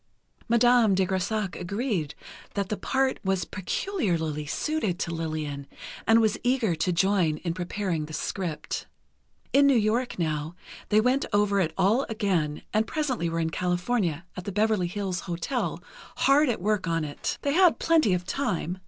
Madame de Grésac agreed that the part was peculiarly suited to Lillian, and was eager to join in preparing the script. In New York, now, they went over it all again, and presently were in California, at the Beverley Hills Hotel, hard at work on it. They had plenty of time.